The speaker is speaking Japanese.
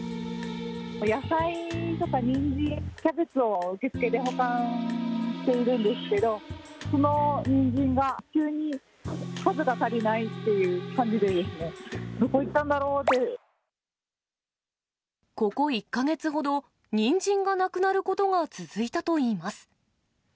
野菜とかニンジン、キャベツを受付で保管しているんですけど、そのニンジンが急に数が足りないっていう感じでですね、どこ行っここ１か月ほど、ニンジンがなくなることが続いたといいます。